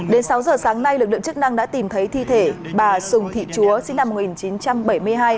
đến sáu giờ sáng nay lực lượng chức năng đã tìm thấy thi thể bà sùng thị chúa sinh năm một nghìn chín trăm bảy mươi hai